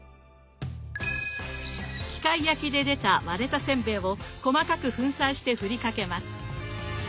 機械焼きで出た割れたせんべいを細かく粉砕してふりかけます。